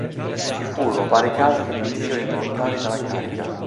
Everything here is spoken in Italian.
Ci furono vari casi di dimissioni volontarie dalla carica.